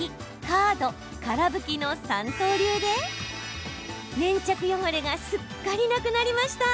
・カード・から拭きの三刀流で、粘着汚れがすっかりなくなりました。